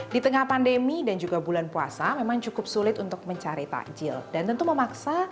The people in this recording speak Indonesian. di tengah pandemi dan juga bulan puasa memang cukup sulit untuk mencari takjil dan tentu memaksa